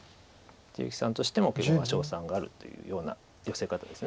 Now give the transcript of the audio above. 一力さんとしても勝算があるというようなヨセ方です